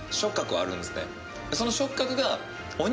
その触覚が。